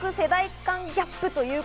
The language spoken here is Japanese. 発覚、世代間ギャップ。